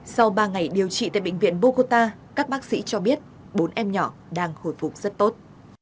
sau ba ngày điều trị tại bệnh viện bokota các bác sĩ cho biết bốn em nhỏ đang hồi phục rất tốt